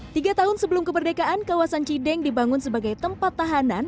tiga tahun sebelum kemerdekaan kawasan cideng dibangun sebagai tempat tahanan